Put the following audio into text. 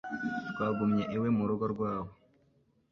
Twagumye iwe mu rugo rwabo.